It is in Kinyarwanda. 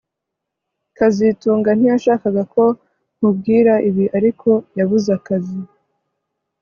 kazitunga ntiyashakaga ko nkubwira ibi ariko yabuze akazi